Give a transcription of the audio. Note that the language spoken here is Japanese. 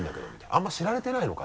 あんまり知られてないのか？